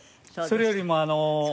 それよりも？